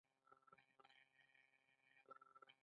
افغانستان کې دریابونه د خلکو د خوښې وړ ځای دی.